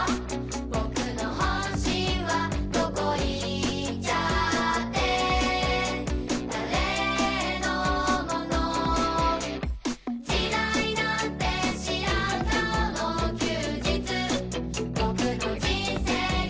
「ぼくの本心はどこ行っちゃって、だれのもの」「時代なんてしらん顔の休日」「ぼくの人生だ」